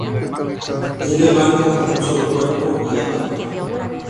Tiene banco, un solo cuerpo y ático.